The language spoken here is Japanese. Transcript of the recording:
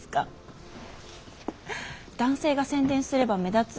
男性が宣伝すれば目立つ。